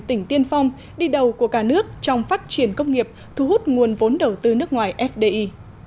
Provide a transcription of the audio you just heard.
tỉnh tiên phong đi đầu của cả nước trong phát triển công nghiệp thu hút nguồn vốn đầu tư nước ngoài fdi